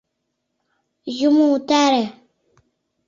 Юмо, утаре!